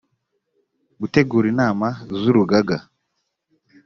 gutegura inama z urugaga